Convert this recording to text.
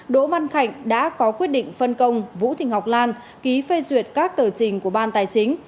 đỗ văn khạnh đã có quyết định phân công vũ thị ngọc lan ký phê duyệt các tờ trình của ban tài chính